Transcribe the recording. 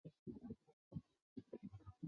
光叶石栎